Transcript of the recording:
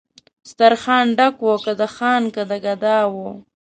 سترخان ډک و که د خان که د ګدا وو